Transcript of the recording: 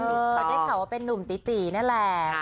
เขาได้ข่าวว่าเป็นนุ่มตีตีนั่นแหละ